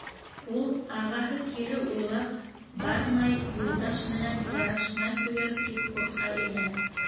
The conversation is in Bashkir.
Ул, ағаһы кире уйлап, бармай, Юлдаш менән ярашмай ҡуйыр, тип ҡурҡа ине.